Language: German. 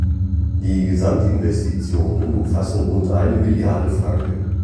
Die Gesamtinvestitionen umfassen rund eine Milliarde Franken.